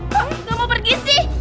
kamu mau pergi sih